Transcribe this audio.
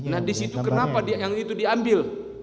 nah disitu kenapa yang itu diambil